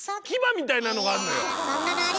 牙みたいなのがあんのよ。